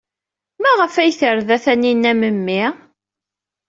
Maɣef ay terda Taninna memmi?